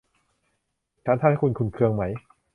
ฉันทำให้คุณขุ่นเคืองไหม